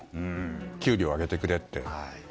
給料を上げてくれって。